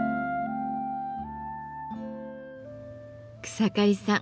草刈さん